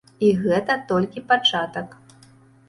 І гэта толькі пачатак.